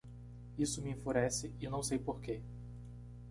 Isso me enfurece e não sei por quê.